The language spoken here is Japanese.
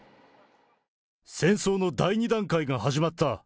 戦争の第２段階が始まった。